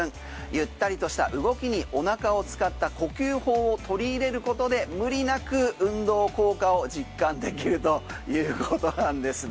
ゆったりとした動きにお腹を使った呼吸法を取り入れることで無理なく運動効果を実感できるということなんですね。